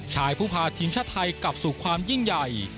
ชายผู้พาทีมชาติไทยกลับสู่ความยิ่งใหญ่